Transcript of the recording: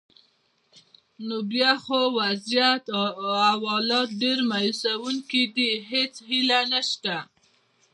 نو بیا خو وضعیت او حالات ډېر مایوسونکي دي، هیڅ هیله نشته.